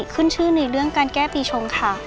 ขึ้นชื่อในเรื่องการแก้ปีชงค่ะ